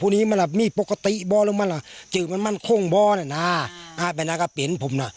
นี่มันมีปกติปลอดบันหลีมั้ย